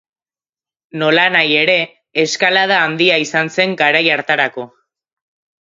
Nolanahi ere, eskalada handia izan zen garai hartarako.